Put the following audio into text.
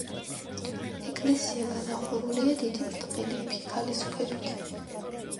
ეკლესია გადახურულია დიდი ბრტყელი ფიქალის ქვებით.